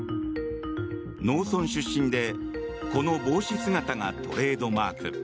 農村出身でこの帽子姿がトレードマーク。